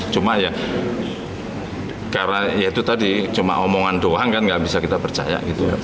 cuma ya karena itu tadi cuma omongan doang kan tidak bisa kita percaya